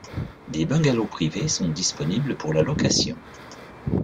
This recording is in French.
Des bungalows privés sont disponibles pour la location.